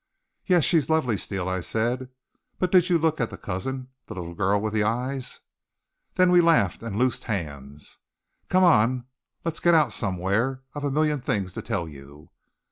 "Yes, she's lovely, Steele," I said. "But did you look at the cousin, the little girl with the eyes?" Then we laughed and loosed hands. "Come on, let's get out somewhere. I've a million things to tell you."